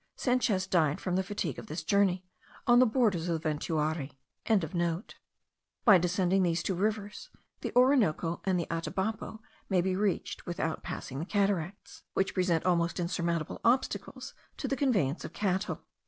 Sanchez died, from the fatigue of this journey, on the borders of the Ventuari.) By descending these two rivers, the Orinoco and the Atabapo may be reached without passing the great cataracts, which present almost insurmountable obstacles to the conveyance of cattle.